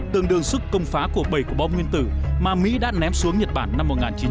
từng đường sức công phá của bảy cổ bom nguyên tử mà mỹ đã ném xuống nhật bản năm một nghìn chín trăm bốn mươi năm